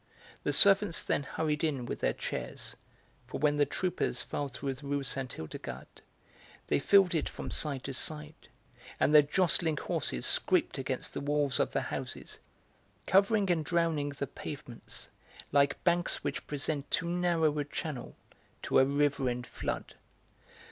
The servants then hurried in with their chairs, for when the troopers filed through the Rue Sainte Hildegarde they filled it from side to side, and their jostling horses scraped against the walls of the houses, covering and drowning the pavements like banks which present too narrow a channel to a river in flood.